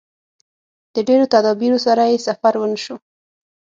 د ډېرو تدابیرو سره یې سفر ونشو.